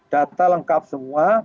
data lengkap semua